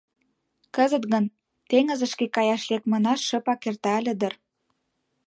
Кызыт гын теҥызышке каяш лекмына шыпак эрта ыле дыр.